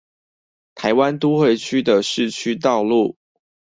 台灣都會區的市區道路